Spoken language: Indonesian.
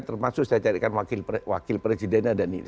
termasuk saya carikan wakil presidennya dan ini